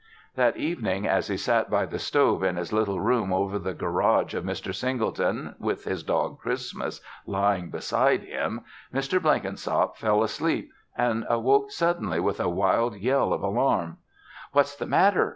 That evening, as he sat by the stove in his little room over the garage of Mr. Singleton with his dog Christmas lying beside him, Mr. Blenkinsop fell asleep and awoke suddenly with a wild yell of alarm. "What's the matter?"